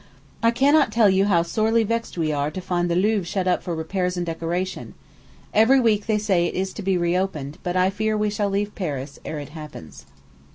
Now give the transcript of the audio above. I cannot tell you how sorely vexed we are to find the Louvre shut up for repairs and decoration; every week they say it is to be reopened, but I fear we shall leave Paris ere it happens.